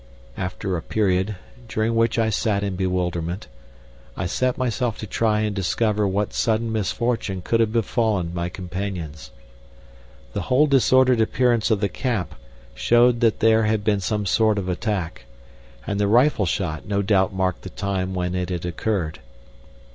After a period, during which I sat in bewilderment, I set myself to try and discover what sudden misfortune could have befallen my companions. The whole disordered appearance of the camp showed that there had been some sort of attack, and the rifle shot no doubt marked the time when it had occurred.